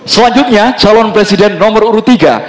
selanjutnya calon presiden nomor urut tiga